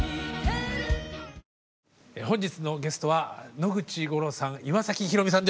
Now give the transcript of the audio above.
本日のゲストは野口五郎さん